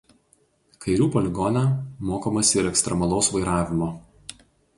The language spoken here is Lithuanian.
Kairių poligone mokomasi ir ekstremalaus vairavimo.